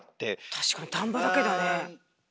確かに田んぼだけだね。